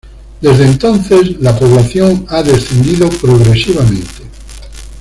Desde entonces la población ha descendido progresivamente.